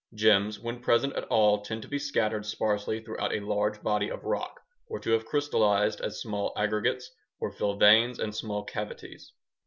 Gems, when present at all, tend to be scattered sparsely throughout a large body of rock or to have crystallized as small aggregates or fill veins and small cavities.